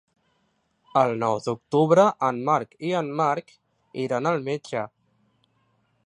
El nou d'octubre en Marc i en Marc iran al metge.